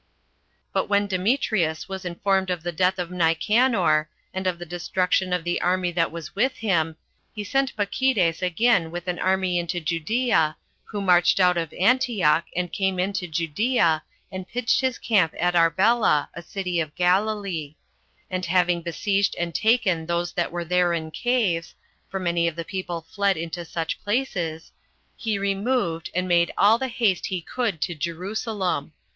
1. But when Demetrius was informed of the death of Nicanor, and of the destruction of the army that was with him, he sent Bacchides again with an army into Judea, who marched out of Antioch, and came into Judea, and pitched his camp at Arbela, a city of Galilee; and having besieged and taken those that were there in caves, [for many of the people fled into such places,] he removed, and made all the haste he could to Jerusalem.